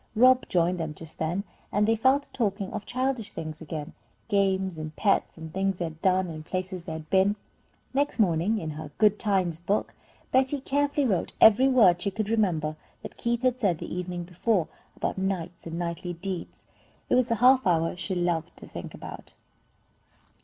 Rob joined them just then, and they fell to talking of childish things again, games and pets, and things they had done, and places they had been. Next morning in her "Good times" book, Betty carefully wrote every word she could remember that Keith had said the evening before, about knights and knightly deeds. It was a half hour that she loved to think about.